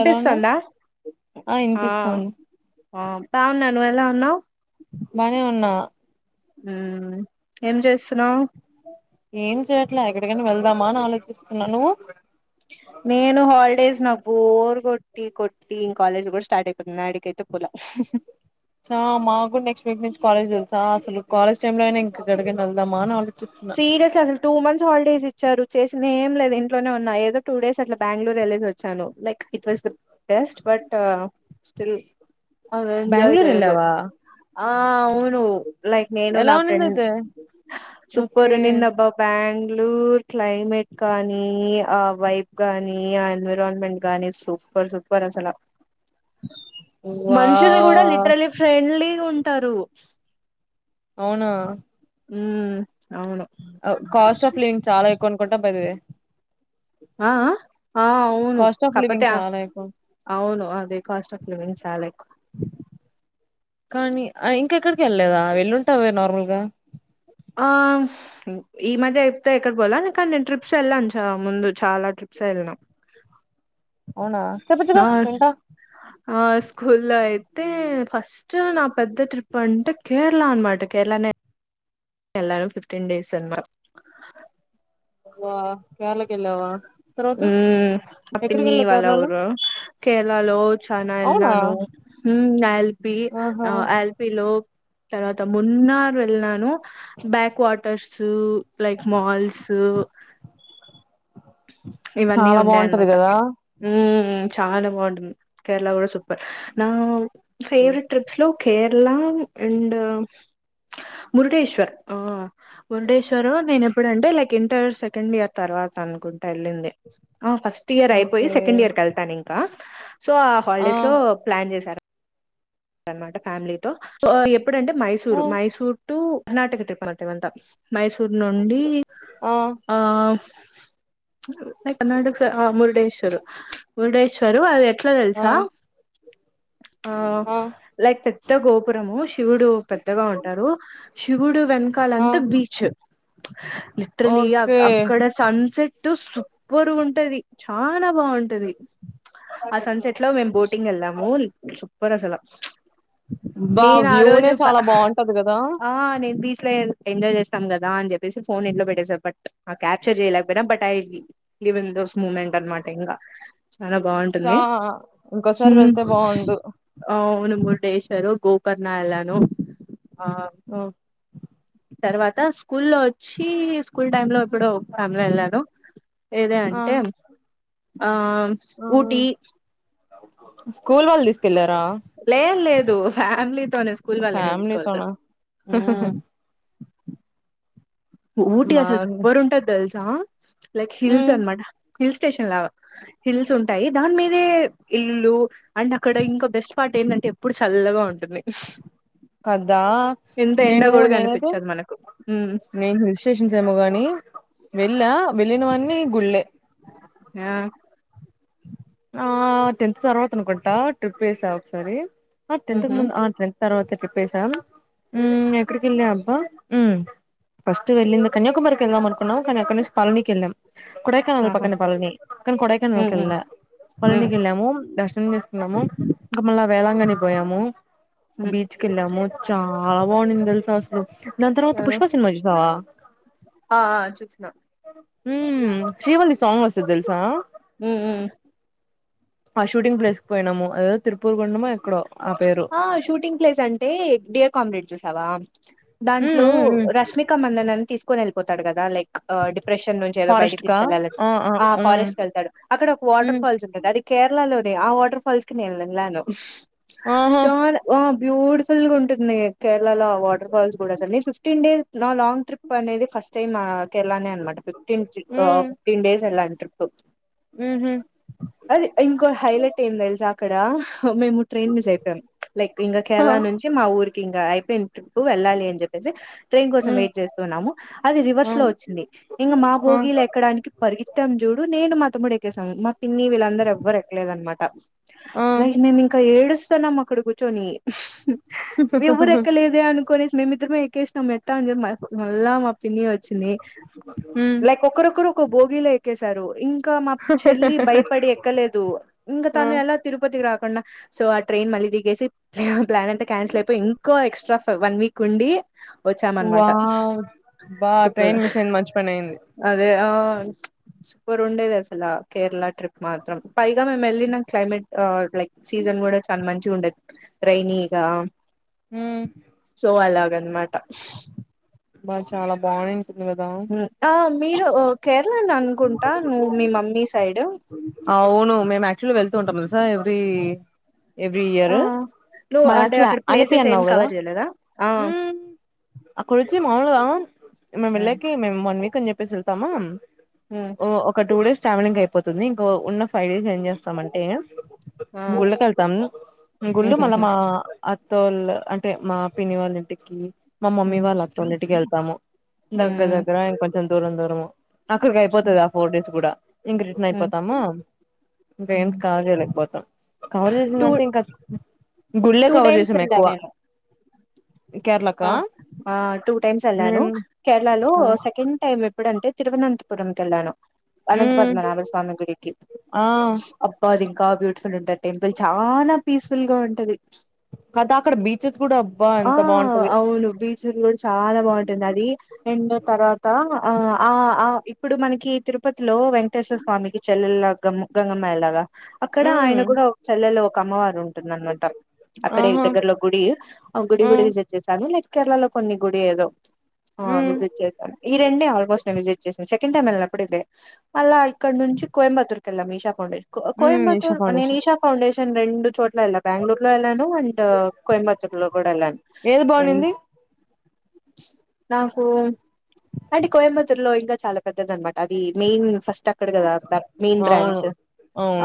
ఎలా ఉన్నావ్ ఆ ఆ బాగున్నా నువ్ ఎలా ఉన్నావ్? బానే ఉన్నా ఉమ్ ఏం చేస్తున్నావ్? ఏం చెయట్లా ఎక్కడికైనా వెళ్దామా అని ఆలోచిస్తున్నా నువ్వు? నేను హాలిడేస్ నాక్ బోర్ కొట్టి కొట్టి కాలేజ్ కూడా స్టార్ట్ ఐపోతుంది యాడికైతే పోలే వి ఆ మాకు కూడా నెక్స్ట్ వీక్ నుంచి కాలేజ్ దెల్సా అసలు కాలేజ్ టైమ్ లోనే ఇంకా ఎక్కడికి ఎల్దామా అని ఆలోచిస్తున్నా సీరెస్ అస్ టూ మంత్స్ హాలిడేస్ ఇచ్చారు చేసింది ఏం లేదు ఇంట్లోనే ఉన్నా ఏదో టూ డేస్ అట్లా బాంగ్ళూర్ వెళ్ళేసొచ్చాను like it was the best but still uh enjoy Bengaluru చేయ్లే వెళ్ళావా ఆ అవును లైక్ నేను ఎలా నా ఉన్నింది ఫ్రెండ్ అయితే సూపర్ ఓకే నిన్న బి బాంగ్ళూర్ క్లైమేట్ కానీ ఆ వైబ్ గానీ ఆ ఎన్విరాన్మెంట్ గాని సూప్ సూపర్ సూపర్ అసల మనుషల్నీ గూడా వావ్ లిటర్లీ ఫ్రెండ్లీగా ఉంటారు అవునా ఊ అవును కాస్ట్ ఆఫ్ లివింగ్ చాలా ఎక్వ అనుకుంటా పేదవే ఆ ఆ అవును కాస్ట్ ఆఫ్ కపత లివింగ్ చాలా ఎక్కువ అవును అదే కాస్ట్ ఆఫ్ లివింగ్స చాలా ఎక్కు కానీ ఆ ఇంకెక్కడికి ఎల్లేదా వెళ్ళుంటావే నార్మల్ గా ఆ ఈ మధ్య ఎప్తేతే ఎక్కడి పోల కానీ నేను ట్రిప్స్ ఎళ్ళాను చ ముందు చాలా ట్రిప్స్ ఎళ్ళాం రేఖ అవునా చెప్పుచెప్పు వింటా ఆ స్కూల్లో అయితే ఫస్ట్ స్టు నా పెద్ద ట్రిప్ అంటే కేరళ ఆన్మాట కేర్ళ నే ఎల్లరం ఫిఫ్టెండేస్ అన్మా వ కేర్ళ కెళ్ళావా ఉమ్ మా పిన్ని వాళ్ళ ఊరు కేర్ళ లో చానా అవునా ఎల్నాను హు అఎల్పీ ఆహా ఆ ఆయిల్ప్ వీలో తర్వాత మన్నర్ వెళ్ళిను బ్యాక్ వాటర్సు లైక్ మాల్సు ఇవన్నీ చాలా బాగుంటది ఉండయన్మాట కదా ఉమ్ చాలా బావుంటుంది కేర్ళ గూడా సుప్పెర్ ఊ సో ఫేవరెట్ ట్రిప్స్ లు కేర్ళ అండ్ మురిడిటేశ్వర్ ఆ మురుడేశ్వరు నేను ఎప్పుడంటే లైక్ ఇంటర్ సెకండ్ ఇయర్ తర్వాత అనుకుం ఆ ఫస్ట్ ఇయర్ అయిపోయి ఓకే సెకండ్ ఇయర్క కేళ్తాను ఇంకా సో ఆ హాల్డేస్ లో ప్లాన్ జేశారు అన్నమాట ఫ్యామిలీతో సో ఎప్పుడంటే ఆ మైసూరు మైసూరు టు కనాటక తిప్పుతి వెళ్తాం మైసూర్ నుండి ఆ కనటక మురుడేశ్వరు మురుడేశ్వరు అది ఎట్లా ఆ దేల్సా ఆ లైక్ పెద్ద గోపురము శివుడు పెద్దగా ఉంటారు శివుడు వెన్క కాల ఆ అంత బీచ్ లిటరల్లీ అ ఓకే అక్కడ సన్సెట్టు సూప్పుర్ గుంటది చానా బావున్ టది ఆ సన్ సేట్లో మేము బోటింగ్ ఎళ్ళాము సూపర్ అసలా బా నేను ఆ రోజు వ్యూనే అబ్బా చాలా బాగుంటది కదా ఆ నేన్ బీచ్ లో ఎంజాయ్ జేస్తాం గదా అని జేప్పేసి ఫోన్ ఇంట్లో పెట్టేసా బట్ ఆ క్యాప్చర్ చేయలేకపోయినా but I even those moment అన్మాట ఇంగ్ల చాలా చా బావుంటుంది ఇంకోసారి ఉ వెళ్తే బాగుండు అవును మురుడేశ్వర్ గోకర్ణ ఎళ్ళను ఆ ఆ తర్వాత స్కూల్ ఒచ్చీ స్కూల్ టైమ్లో ఎప్పుడో ఫ్యామ్ లో ఎళ్ళాను ఏదే ఆ అంటే ఆ ఆ. ఊటి స్కూల్ వాళ్ళు తీస్కెళ్లారా లేదు లేదు ఫ్యామిలీ తోనే స్కూల్వల్లే ఎక్కడ తీస్కోవోతారు ఫ్యామిలీతోనా ఉ ఊటీ మా అసలు సూప్పుర్ ఉంటాది దిల్సా లైక్ హిల్స్ ఉమ్ అన్మాట హిల్ స్టేషన్ లాగా హిల్స్ ఉంటాయి దాన్మీదే ఇల్లులు అంటే అక్కడ ఇంకా బెస్ట్ పార్ట్ ఏంటంటే ఎప్పుడు చల్లగా ఉంటుంది కదా ఇంత ఎండ నేను కూడా నేనైతే కనిపించదు మనకు నేను హిల్ స్టేషన్స్ ఏమో కాగాని వెళ్ళా వెళ్ళినవి అన్ని గుళ్ళె ఆ ఆ టెన్త్ తర్వాత అనుకుంటా ట్రిప్ వేసా ఒకసారి ఆ టెన్త్ ఉహు ముందు టెన్ తర్వాత ట్రిప్ వేసాం ఆ ఎక్కడికి వెళ్ళా అబ్బా ఉమ్ ఫస్ట్ వెళ్ళింది కన్యాకుమారికి వెళ్దాం అనుకున్నాం కానీ అక్కడినుంచి పళనికి వెళ్ళాం కొడైకెనాల్ ఆహా పక్కనే పళని కానీ ఉ కొడైకెనాల్ ఉ వెళ్ళళ్ళే ఉ పళనీకి వెళ్ళము దర్శనం ము ఇంకా మళ్ళ వేలాంగణి కి పోయాము ఉ బీచ్ కి వెళ్ళాము చాలా బాగున్నది తెలుసా అసలు దాని తర్వాత ఆ పుష్ప సినిమా చూశావా ఆ ఆ చూసిన హ శ్రీవల్లి సాంగ్ వస్తది తెలుసా ఉ ఉ ఆ షూటింగ్ ప్లేస్ కి పోయినాము అదేదో తిరుపూర్ గుండమా ఎక్కడో ఆ షూటింగ్ ప్లేస్ అంటే డియర్ కామ్రేడ్ చూసావా మ్మ్ దాంట్లో మ్మ్ మ్మ్ రష్మిక మందనాన్ని తీసుకొని వెళ్ళిపోతాడు కదా లైక్ ఆ డిప్రెషన్ నుంచి ఏదో ఫారెస్ట్ బయటకి కా తీసుకెళ్లాలని ఆ మ్మ్ ఫారెస్ట్ వెళ్తాడు అక్కడ ఒక వాటర్ మ్మ్ ఫాల్స్ ఉంటది అది కేరళ లోనే ఆ వాటర్ ఫాల్స్ కి నేను వెళ్ళాను ఆహా చానా ఆ బ్యూటిఫుల్ గా ఉంటుంది కేరళలో ఆ వాటర్ ఫాల్స్ కూడా అసలు ఫిఫ్టీన్ డేస్ నా లాంగ్ ట్రిప్ అనేది ఫస్ట్ టైమ్ ఆ కేరళనే అనమాట ఫిఫ్టీన్ ట్రిప్ ఫిఫ్టీన్ డేస్ వెళ్లాను ట్రిప్ ఉహు అదే ఇంకో హైలైట్ ఏంది తెలుసా అక్కడ మేము ట్రైన్ మిస్ అయిపోయాం లైక్ ఇంకా హా కేరళ నుంచి మా ఊరికి ఇంకా అయిపోయింది ట్రిప్ వెళ్ళాలి అని చెప్పి ట్రైన్ కోసం మ్మ్ వెయిట్ చేస్తున్నాము అది రివర్స్ ఆ లో వచ్చింది ఇంకా మా ఆ బోగిలు ఎక్కడానికి పరిగెత్తం చూడు నేను మా తమ్ముడు ఎక్కేేశాము మా పిన్ని వీళ్లంత అందరు ఎవ్వరు ఎక్కలేదు అనమాట ఆ లైక్ మేము ఇంకా ఏడుస్తున్నాం అక్కడ కూర్చొని ఎవరు ఎక్కలేదే అనుకోనేసి మేమిద్దరమే ఎక్కేసినాం ఎట్టా అని చెప్పి మళ్ళ పిన్ని వచ్చింది మ్మ్ లైక్ ఒకరు ఒకరు ఒక బోగిలో ఎక్కేసారు ఇం కా మా చెల్లి భయపడి ఎక్కలేదు ఇంకా ఆ తను ఎలా తిరుపతికి రాకుండా సో ఆ ట్రైన్ మళ్ళీ దిగేసి ప ప్లాన్ అంతా క్యాన్సిల్ అయిపోయి ఇంకో ఎక్స్ట్రా వన్ వీక్ ఉండి వచ్చామన్నమాట వావ్ బా సూపర్ ట్రైన్ మిస్ అయింది మంచి పని అయింది అదే ఆ సూపర్ ఉండేది అసల కేరళ ట్రిప్ మాత్రం పైగా మేమ్ వెళ్లిన క్లైమేట్ లైక్ సీజన్ కూడా చాలా మంచి ఉండేది రైనిగా ఉమ్ సో అలాగనమాట అబ చాలా బాగుంట్నది కదా ఆ మీరు కేరళని అనుకుంటా నువ్వు మీ మమ్మీ సైడ్ అవును మేము యాక్చువల్గ వెళ్తూ ఉంటాము తెలుసా ఎవ్రీ ఎవ్రీ ఆ ఇయర్ నువ్వు మ అంటే యాక్చువల్ అక్కడ అలిపి ప్లేసెస్ ఏం అన్నావు కదా కవర్ చేయలేదా ఆ హ్మ అక్కడొచ్చి మాముూలుగా మేము హ్మ్ వెళ్ళకి మేము వన్ వీక్ అని చెప్పేసి వెళ్తాము హ ఒక టూ డేస్ ట్రావెలింగ్ అయిపోతుంది ఇంకో ఉన్న ఫైవ్ డేస్ ఏం చేస్తామంటే ఆ గుళ్ళకెళ్తాం గుళ్ళో మళ్ళ హుహుహు. మా అత్తోళ్ అంటే మా పిన్ని వాళ్ళ ఇంటికి మా మమ్మీ హ్మ్ వాళ్ళ అత్తోళ్ళింటికి వెళ్తాము దగ్గర హ్మ్ దగ్గర ఇంక కొంచం దూరం దూరం అక్కడికి హ్మ్ అయిపోతది ఆ ఫోర్ డేస్ కూడా ఇంక రిటర్న్ హ్మ్. అయిపోతామా ఇంక ఏం హ్మ్. కవర్ చేయలేకపోతాం కవర్ టూ చేసిందంటే ఇంక గుళ్లో టూ కవర్ టైమ్స్ చేసాం వెళ్ళా ఎక్కువ నేను ఆ కేరళకా ఆ టూ టైమ్స్ వెళ్ళాను నేను కేరళ లో సెకండ్ టైమ్ ఎప్పుడంటే తిరువనంతపురం కి వెళ్ళాను అనంత మ్మ్ పద్మనాభ స్వామి గుడికి ఆ అబ్బా అది ఇంకా బ్యూటిఫుల్ ఉంటంది టెంపుల్ చాలా పీస్ఫుల్ గా ఉంటది కదా అక్కడ బీచెస్ కూడా అబ్బా ఎంత బాంటది లు బీచులు కూడా చాలా బాగుంటది అది ఎండో తర్వాత ఆ ఆ ఆ ఇప్పుడు మనకి తిరుపతిలో వెంక్ టేశ్వర స్వామికి చెల్లెలలా గమ్ గంగమ్మయ లాగా అక్కడ ఆయన మ్మ్ కూడా ఒక చెల్లెలో ఒక అమ్మవారు ఉంటుందనమాట అక్కడే ఆహా దగ్గరలో గుడి ఆ గుడి కూడ మ్మ్ విజిట్ చేశాను లైక్ కేరళ లో కొన్ని గుడి ఏదో ఆ మ్మ్ విజిట్ చేసా ఈ రెండే ఆల్మోస్ట్ నేను విజిట్ చేసాను సెకండ్ టైమ్ వెళ్ళినప్పుడు ఇదే మళ్ళా ఇక్కడ నుంచి కోయంబత్తూరు కి వెళ్ళం ఈషా ఫౌండేషన్ మ్మ్ ఈషా కోయంబత్తూరు నేను ఫౌండేషన్ ఈషా ఫౌండేషన్ రెండు చోట్ల ఎల్లా బెంగళూరులో ఎల్లాను అండ్ కోయంబత్తూర్లో కూడా వెళ్ళాను ఏది బాగుండింది ఉం నాకు అంటే కోయంబత్తూర్లో ఇంగా చాలా పెద్దది అన్నమాట అది మెయిన్ ఫస్ట్ తక్కడ కదా మెయిన్ అవును బ్రాంచ్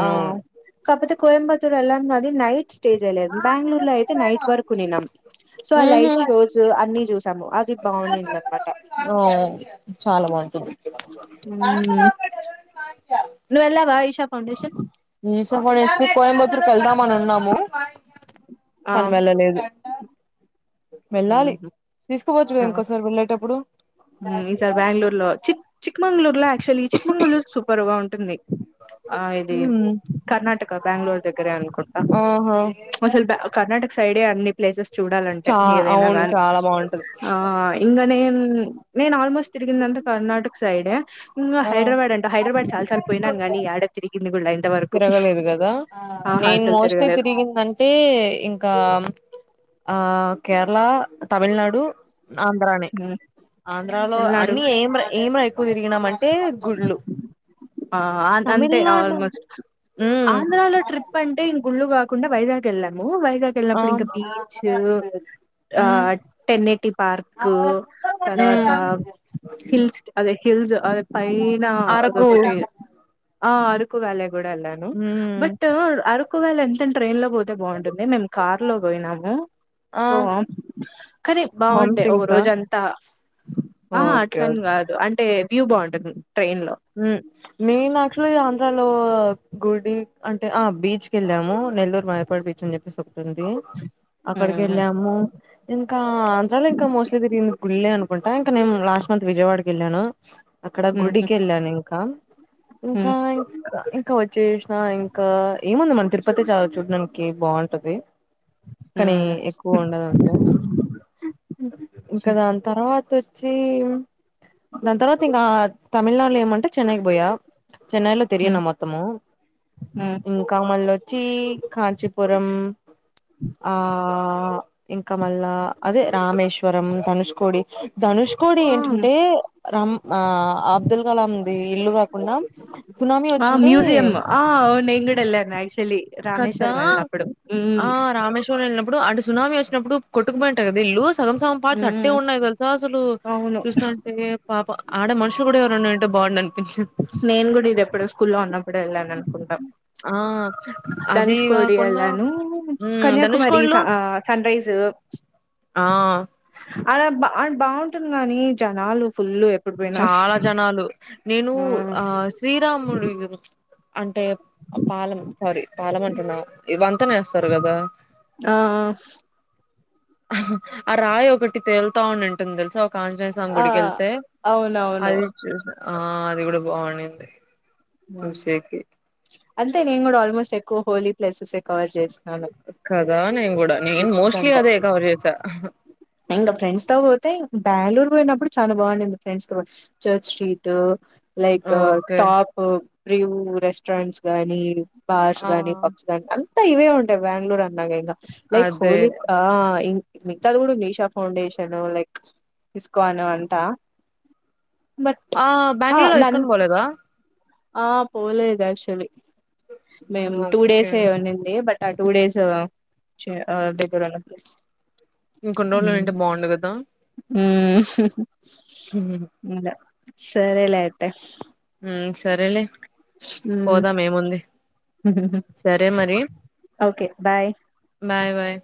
ఆ కాకపోతే కోయంబత్తూర్ ఎల్లా గాని నైట్ స్టే చేయలేదు బెంగళూరు లో అయితే నైట్ వరకు ఉన్నిన్నామ్ సో ఆ ఊహూ లైట్ షోస్ అన్నీ చూసాము అది బాగుండింది అనమాట ఆ చాలా బాగుంటుంది హ్మ్ నువ్వు ఎల్లవా ఈషా ఫౌండేషన్ ఈషా ఫౌండేషన్ కి కోయంబత్తూరు కి వెళ్దాం అని ఉన్నాము ఆ కానీ వెెళ్లలేదు వెళ్లాలి మ్మ్ తీసుకపోవచ్చు కదా ఇంకోసారి వెళ్ళేటప్పుడు హ్మ్ ఈ సారి బెంగళూరు లో చిక్ చిక్మంగళూరు లో యాక్చువల్లీ చిక్మంగళూరు సూపర్ గా ఉంటుంది ఆ ఇది మ్మ్ కర్ణాటక బ్యాంగళూర్ దగ్గరే అనుకుంట ఆహా అసలు ద కర్ణాటక సైడే అన్ని ప్లేసెస్ చూడాలంటే చా ఏదైనా అవును గాని చాలా బాగుంటది ఆ ఇంగా నేన్ నేను ఆల్మోస్ట్ తిరిగిందంట కర్ణాటక సైడే ఆ హైదరాబాద్ అంటా హైదరాబాద్ చాలా సార్లు పోయినానుగానీ యాడ తిరిగింది కూలా ఇంతవర తిరగలేదు కదా ఆ నేను మోస్ట్లీ తిరగలేదు తిరిగిందం అంటే ఇంకా ఆ కేరళ తమిళనాడు ఆంధ్రానే ఆంధ్రాలో పల్నాడు అన్నీ ఏం ర ఏం ర ఎక్కువ తిరిగినాము అంటే గుళ్ళు ఆ అది అంతే తమిళనాడు ఆల్మోస్ట్ ఆంధ్రా ఉమ్ ఆంధ్రాలో ట్రిప్ అంటే ఇంగుళ్ళు కాకుండా వైజాగ్ వెళ్ళాము వైజాగ్ ఆ వెళ్ళినప్పుడు ఇంకా బీచ్ ఆ ఉమ్ టెనేటి పార్క్ తర్వాత హిల్స్ అది హిల్స్ అది పైనా అది అరకు ఒకటి ఆ అరకు వ్యాలీ కూడా వెళ్ళాను ఉమ్ బట్ అరకు వ్యాలీ ఎంతైనా ట్రైన్ లో పోతే బాగుంటుంది మేము కార్ లో పోయినాము ఆ సో కానీ హోమ్ బాగుండే ఒక థింగ్సా రోజు అంతా ఆ ఓకే అట్లని ఓకే కాదు అంటే వ్యూ బాగుంటుంది ట్రైన్ లో హ్మ్ నేను యాక్చువల్లీ ఆంధ్రాలో గుడి అంటే ఆ బీచ్ కి వెళ్ళాము నెల్లూరు మాయపాడి బీచ్ అని చెప్పేసి ఒకటుంది ఆ అక్కడికి వెళ్ళాము ఇంకా ఆంధ్రాలో ఇంకా మోస్ట్లీ తిరిగింది గుళ్ళు అనుకుంటా ఇంకా నేను లాస్ట్ మంత్ విజయవాడకి వెళ్ళాను అక్కడ గుడికెళ్ళాను ఇంకా ఇంకా ఇంకా ఇంకా వచ్చేసిన ఇంకా ఏముంది మన తిరుపతి చాలా చూడానికి బాగుంటది ఉ కానీ ఎక్కువ ఉండదు అంతే ఇంకా దాని తర్వాత వచ్చి దాని తర్వాత ఇంకా తమిళనాడులో ఏమంటే చెన్నైకి పోయా చెన్నైలో తిరిగిన మొత్తము ఇం ఇంకా మల్లొచ్చి కాంచీపురం ఆ ఇంకా మళ్ళా అదే రామేశ్వరం ధనుష్కోడి ధనుష్కోడి ఏంటంటే రమ్ ఆ అబ్ సునామీ ఆ వచ్చింటే మ్యూజియమ్ ఆ అవును నేను కూడ ఎలన్న ఆక్చులీ కదా రామేశ్వరం వెళ్ళ అప్పుడు ఊ ఆ రామేశ్వరంలో వెళ్నప్పుడు అటు సునామ వచ్చినప్పుడు కొట్టుపోయింట కద ఇల్లు సగం సం పాట్స్ అట్టే హ్మ్. ఉన్నాయి తెలుసా అసలు అవును చూస్తా అంటే పాప ఆడ మనుషులు కూడా ఉండి ఉంటే బాగుండి అనిపించింది నేను కూడా ఇది ఎప్పుడో స్కూ లో ఉన్నప్పుడు వెళ్ళాను అనుకుంటాం ఆ అది ధనుష్కోడి కాకుండ వెళ్ళాను కన్యాకుమారి సా సన్రైస్ ఆ అలా బా అ బాగుంటుంది గాని జనాలు ఫుల్లు ఎక్ చాలా జనాలు నేను హ్మ్. ఆ శ్రీరాముడు అంటే పాలం సారీ పాలం అంటున్నా ఇవంతానే వేస్తారు కదా ఆ ఆ ఆ రాయి ఒకటి తేలుతా ఉని ఉంటుంది తెలుసా ఒకంజనేయ సా సం ఆ గుడికి వెళ్తే అవునవును అది చూసి ఆ అది కూడా బాగుండిది అంతే నేను కూడా ఆల్మోస్ట్ ఎక్కువ హోలీ ప్లేసెస్ ఏ కవర్ చేస్తున్నాను ట్రిప్ కంటే ర్ ఏసా ఇంకా ఫ్రెండ్స్ తో పోతే బెంగళూరు పోయినప్పుడు చాలా బాగుండిది ఫ్రెండ్స్ తో church street like okay top ప్రివూ రెస్టారెంట్స్ గానీ పాస్ ఆ కాని పబ్స్ గానీ అంతా ఇవే ఉంటాయి బ్యాంగళూరు అన్నాక ఇంకా లైక్ అదే హోలీ ఆ ఇం మిగతది కూడా మీ షాప్ నుండి ఆశిండు లైక్ తీసుకోను అంత ఆ బెంగళూరు లో ఇస్కన్ బోలేద ఆ పోలేదు యాక్చువలీ మేము టూ ఓకే డేస్ ఏ ఉంనింది బట్ ట టూ డేస్ ఊ చి ఆ దగ్గరున్నపుడు ఇంకొన్ని ఊ రోజులు ఉంటే బాగుండు కదా ఊ హ్మ్. ఇంగ సరేలే అయితే ఉ సరేలే హ్మ్. పోదాం ఏముంది సరే మరి ఓకే బాయ్ బాయ్ బాయ్